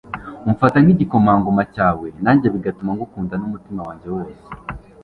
Umfata nk’igikomangoma cyawe najye bigatuma ngukunda n’umutima wanjye wose